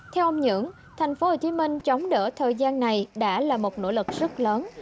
theo ông nhưỡng thành phố hồ chí minh chống đỡ thời gian này đã là một nỗ lực rất lớn